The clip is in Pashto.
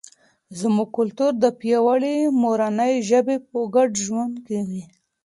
زموږ کلتور د پیاوړي مورنۍ ژبې په ګډه ژوند کوي.